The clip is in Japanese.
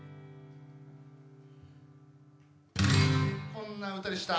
こんな歌でした。